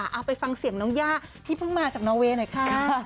เอาไปฟังเสียงน้องย่าที่เพิ่งมาจากนอเวย์หน่อยค่ะ